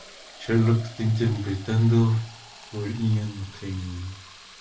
Sherlock está interpretado por Ian McKellen.